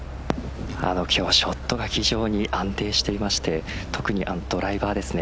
今日はショットが非常に安定していまして特にドライバーです。